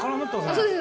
そうです。